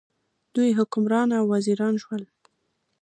دوی حکمران او وزیران شول.